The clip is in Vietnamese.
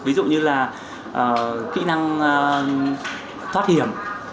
ví dụ như là kỹ năng thoát hiểm